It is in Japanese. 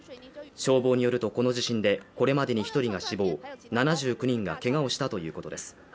消防によるとこの地震でこれまでに１人が死亡、７９人がけがをしたということです。